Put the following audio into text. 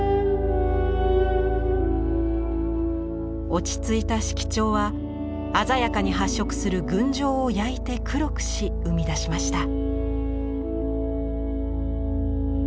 落ち着いた色調は鮮やかに発色する群青を焼いて黒くし生み出しました。